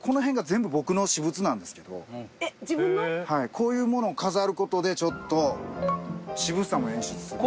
こういうものを飾る事でちょっと渋さも演出するっていう。